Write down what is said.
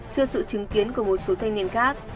trước sự chứng kiến của một số thanh niên khác